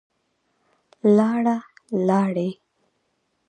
لاړه, لاړې